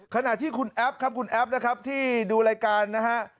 ขนาดที่คุณแอฟนะครับคุณแอฟที่ดูรายการนะฮะ